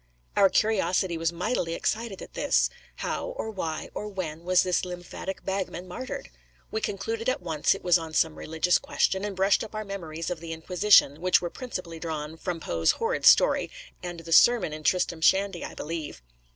Our curiosity was mightily excited at this. How, or why, or when, was this lymphatic bagman martyred? We concluded at once it was on some religious question, and brushed up our memories of the Inquisition, which were principally drawn from Poe's horrid story, and the sermon in Tristram Shandy, I believe.